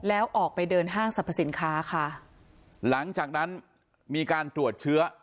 แล้วออกไปเดินห้างสรรพสินค้าค่ะหลังจากนั้นมีการตรวจเชื้อ